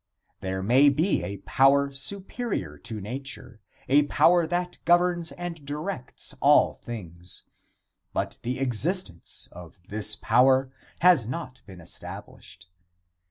There may be a power superior to nature, a power that governs and directs all things, but the existence of this power has not been established.